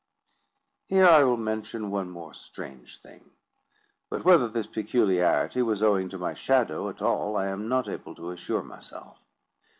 Here I will mention one more strange thing; but whether this peculiarity was owing to my shadow at all, I am not able to assure myself.